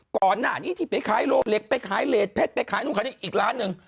ก่อนหน้านี้ที่ไปขายโลเล็กไปขายเลสเพชรไปขายนู่นขายนี่อีกร้านหนึ่ง